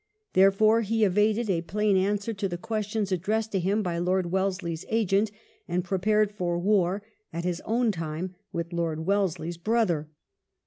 Therefore he evaded a plain answer to the questions addressed to him by Lord Wellesley's agent, and pre pared for war, at his own time, with Lord Wellesley's brother.